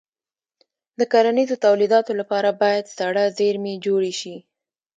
د کرنیزو تولیداتو لپاره باید سړه زېرمې جوړې شي.